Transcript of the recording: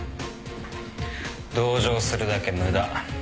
・同情するだけ無駄。